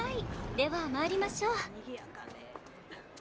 ではまいりましょう。